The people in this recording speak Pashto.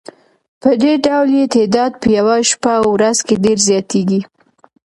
پدې ډول یې تعداد په یوه شپه او ورځ کې ډېر زیاتیږي.